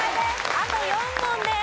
あと４問です。